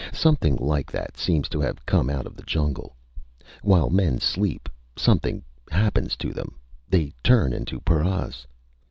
Something like that seems to have come out of the jungle. While men sleep something happens to them! They turn into paras.